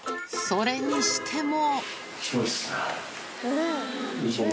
それにしても。